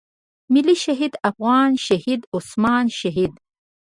ملي شهيد افغان شهيد عثمان شهيد.